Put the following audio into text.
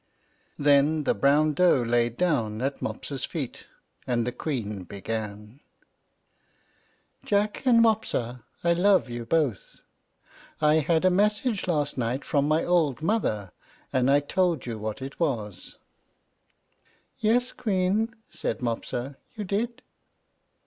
Then the brown doe laid down at Mopsa's feet, and the Queen began: "Jack and Mopsa, I love you both. I had a message last night from my old mother, and I told you what it was." "Yes, Queen," said Mopsa, "you did."